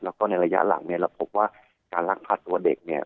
แล้วก็ในระยะหลังเนี่ยเราพบว่าการลักพาตัวเด็กเนี่ย